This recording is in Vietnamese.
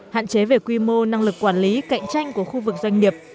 hạn chế về quy mô năng lực quản lý cạnh tranh của khu vực doanh nghiệp